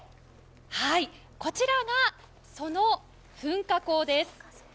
こちらが、その噴火口です。